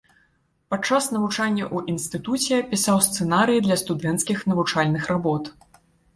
Падчас навучання ў інстытуце пісаў сцэнарыі для студэнцкіх навучальных работ.